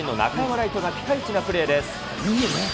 礼都がピカイチなプレーです。